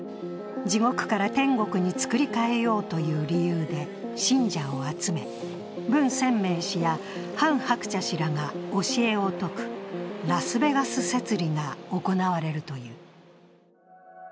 地獄から天国につくりかえようという理由で信者を集め、文鮮明氏やハン・クチャ氏らが教えを説く、ラスベガス摂理が行われるという。